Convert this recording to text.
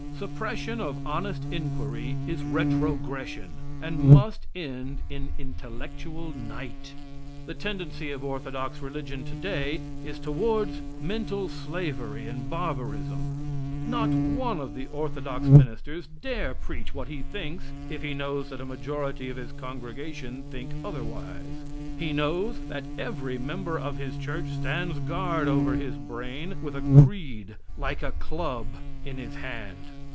Suppression of honest inquiry is retrogression, and must end in intellectual night. The tendency of orthodox religion today is towards mental slavery and barbarism. Not one of the orthodox ministers dare preach what he thinks if he knows that a majority of his congregation think otherwise. He knows that every member of his church stands guard over his brain with a creed, like a club, in his hand.